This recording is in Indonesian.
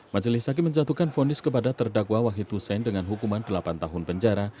majelis hakim menjatuhkan fonis kepada terdakwa wahid hussein dengan hukuman delapan tahun penjara